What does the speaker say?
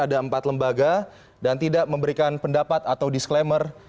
ada empat lembaga dan tidak memberikan pendapat atau disclaimer